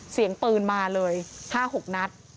เสียงปืนมาเลย๕๖นัด